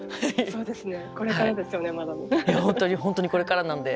そうですね。